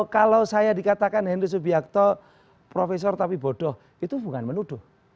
kalau saya dikatakan henry subiakto profesor tapi bodoh itu bukan menuduh